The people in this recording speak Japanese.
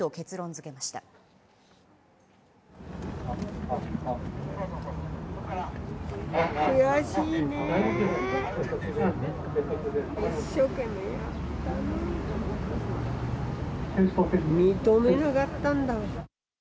認めなかったんだ。